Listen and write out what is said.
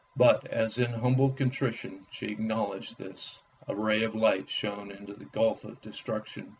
But as in humble contrition she acknowledged this, a ray of light shone into the gulf of destruction.